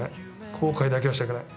後悔だけはしたくない。